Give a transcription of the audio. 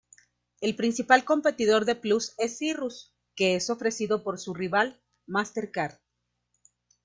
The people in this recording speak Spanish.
El principal competidor de Plus es Cirrus, que es ofrecido por su rival, MasterCard.